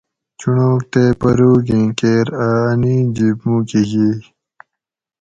چُنڑوگ تے پروگیں کیر ا انیج جِب موکہ ییں